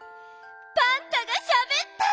パンタがしゃべった！